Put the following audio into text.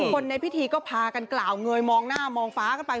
คนในพิธีก็พากันกล่าวเงยมองหน้ามองฟ้ากันไป